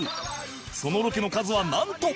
そのロケの数はなんと